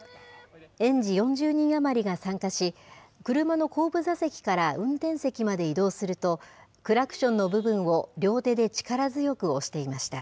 園児４０人余りが参加し、車の後部座席から運転席まで移動すると、クラクションの部分を両手で力強く押していました。